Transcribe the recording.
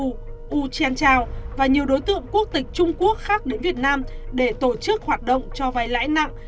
wu chen chao và nhiều đối tượng quốc tịch trung quốc khác đến việt nam để tổ chức hoạt động cho vay lãi nặng